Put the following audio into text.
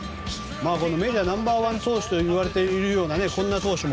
メジャーナンバー１といわれているこんな投手も。